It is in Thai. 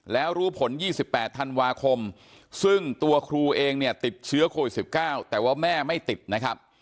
แล้วรู้ผล๒๘ธันวาคมซึ่งตัวครูเองเนี่ยติดเชื้อโควิด๑๙แต่ว่าแม่ไม่ติดนะครับ